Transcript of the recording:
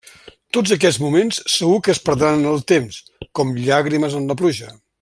Tots aquests moments segur que es perdran en el temps, com llàgrimes en la pluja.